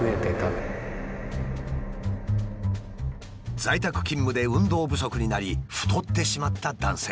在宅勤務で運動不足になり太ってしまった男性。